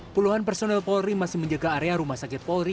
puluhan personel polri masih menjaga area rumah sakit polri